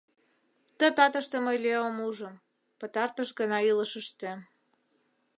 Ты татыште мый Леом ужым – пытартыш гана илышыштем.